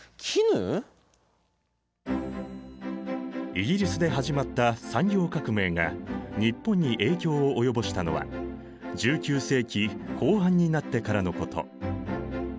イギリスで始まった産業革命が日本に影響を及ぼしたのは１９世紀後半になってからのこと。